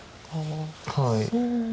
はい。